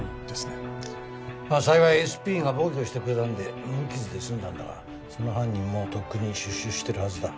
幸いＳＰが防御してくれたんで無傷で済んだんだがその犯人もうとっくに出所してるはずだ。